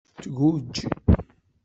Tguǧǧ.